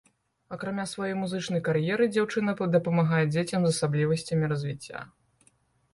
Акрамя сваёй музычнай кар'еры, дзяўчына дапамагае дзецям з асаблівасцямі развіцця.